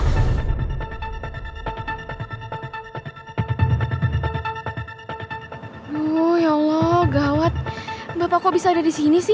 aduh ya allah gawat bapak kok bisa ada disini sih